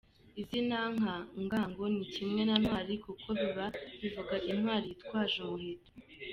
Izina nka Ngango ni kimwe na Ntwari kuko biba bivuga Intwari yitwaje umuheto.